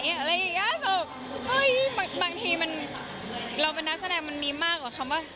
เฮ้ยบางทีมันเราเป็นนักแสดงมันมีมากกว่าคำว่า